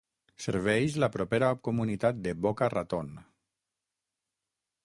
Serveix la propera comunitat de Boca Raton.